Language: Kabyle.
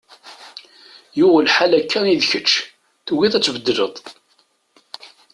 Yuɣ lḥal akka i d kečč, tugiḍ ad tbeddleḍ.